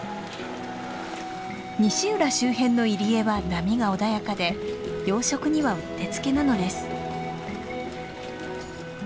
西浦周辺の入り江は波が穏やかで養殖にはうってつけなのです。